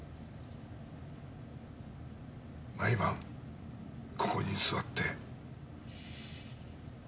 毎晩ここに座って。